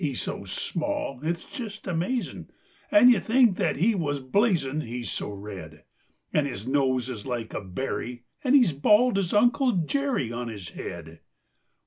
"] He's so small, it's just amazin', And you 'd think that he was blazin', He's so red; And his nose is like a berry, And he's bald as Uncle Jerry On his head.